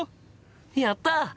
やった！